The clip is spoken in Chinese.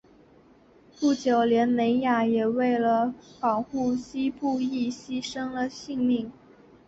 不久连美雅也为了保护希布亦牺牲了性命。